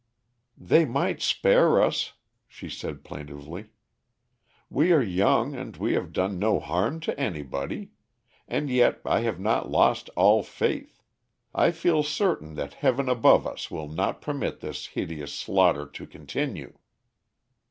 "They might spare us," she said plaintively. "We are young and we have done no harm to anybody. And yet I have not lost all faith. I feel certain that Heaven above us will not permit this hideous slaughter to continue."